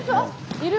いる！